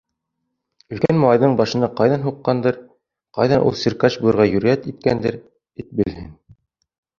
Өлкән малайҙың башына ҡайҙан һуҡҡандыр, ҡайҙан ул циркач булырға йөрьәт иткәндер, эт белһен...